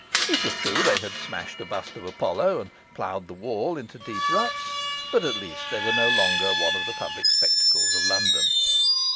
It was true they had smashed a bust of Apollo and ploughed the wall into deep ruts; but, at least, they were no longer one of the public spectacles of London.